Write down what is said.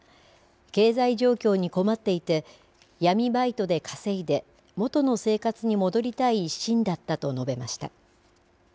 経済状況に困っていて闇バイトで稼いで元の生活に戻りたい一心だったと述べました。